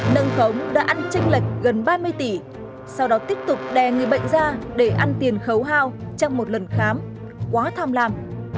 nâng khống đã ăn tranh lệch gần ba mươi tỷ sau đó tiếp tục đè người bệnh ra để ăn tiền khấu hao trong một lần khám quá tham làm